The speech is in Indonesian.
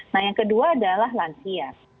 nah yang kedua adalah lansia